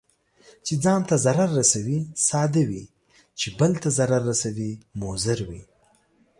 چي ځان ته ضرر رسوي، ساده وي، چې بل ته ضرر رسوي مضر وي.